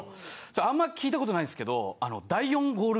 あんま聞いたことないんすけど。